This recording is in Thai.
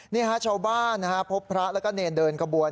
นี่ฮะชาวบ้านพบพระแล้วก็เนรเดินขบวน